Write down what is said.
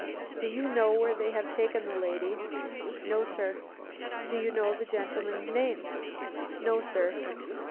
"Do you know where they have taken the lady?" "No, sir. "Do you know the gentleman's name?" "No, sir.